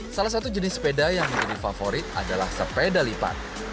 salah satu jenis sepeda yang menjadi favorit adalah sepeda lipat